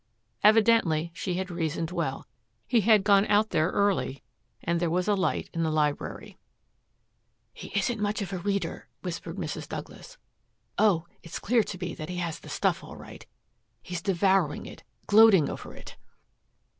Evidently she had reasoned well. He had gone out there early and there was a light in the library. "He isn't much of a reader," whispered Mrs. Douglas. "Oh it's clear to me that he has the stuff all right. He's devouring it, gloating over it."